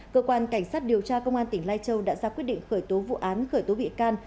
cơ quan cảnh sát điều tra công an tỉnh lai châu đã ra quyết định khởi tố vụ án khởi tố bị can